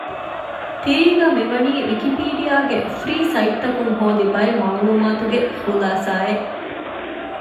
ތިރީގައި މިވަނީ ވިކިޕީޑިއާ ގެ ފްރީ ސައިޓްތަކުން ހޯދި ބައެއް މަޢުލޫމާތުގެ ޚުލާސާ އެއް